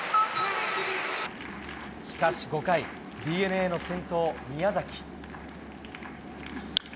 しかし５回ＤｅＮＡの先頭、宮崎。